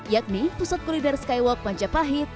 yakni pusat kulider skywalk panjapahit